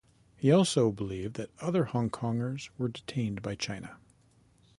He also believed that other Hongkongers were detained by China.